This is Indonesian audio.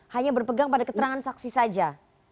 hanya berpegang pada keterangan saksi saja